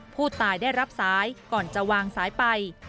ผู้ตายได้รับสายก่อนจะวางสายไป